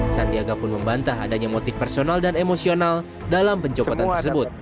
sandiaga pun membantah adanya motif personal dan emosional dalam pencopotan tersebut